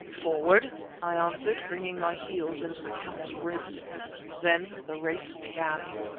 "Forward!" I answered, bringing my heels into the camel's ribs. Then the race began.